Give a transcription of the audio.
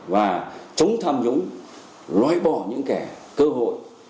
và chống tham nhũng loại bỏ những kẻ cơ hội